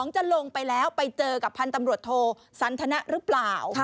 จะลงไปแล้วไปเจอกับพันธ์ตำรวจโทสันทนะหรือเปล่า